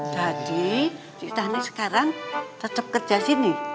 jadi kita ini sekarang tetap kerja sini